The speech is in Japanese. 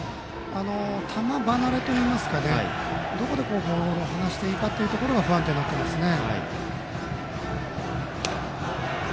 球離れといいますかどこでボールを離していいかというのが不安定になってますね。